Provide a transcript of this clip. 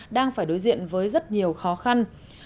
đang phải đối diện với rất nhiều khó khăn